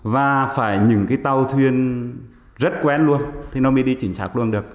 và phải những cái tàu thuyền rất quen luôn thì nó mới đi chính xác luôn được